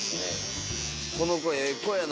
この子ええ子やな。